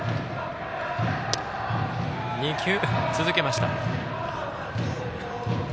２球続けました。